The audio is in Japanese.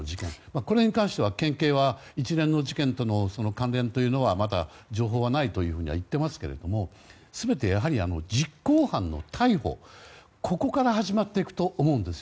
これに関しては県警は一連の事件との関連はまだ情報はないとは言っていますが全てやはり、実行犯の逮捕から始まっていくと思うんです。